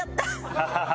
アハハハ。